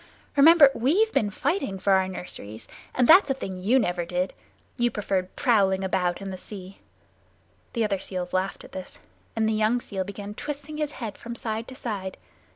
Remember we've been fighting for our nurseries, and that's a thing you never did. You preferred prowling about in the sea." The other seals laughed at this, and the young seal began twisting his head from side to side.